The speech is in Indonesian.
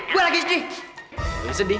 gue lagi sedih gue lagi sedih